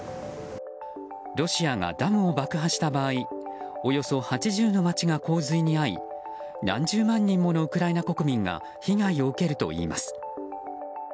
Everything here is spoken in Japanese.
ロシアがダムを爆破した場合およそ８０の町が洪水に遭い何十万人ものウクライナ国民が被害を受けるといいます。